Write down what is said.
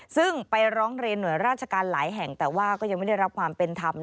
ซึ่งไปร้องเรียนหน่วยราชการหลายแห่งแต่ว่าก็ยังไม่ได้รับความเป็นธรรม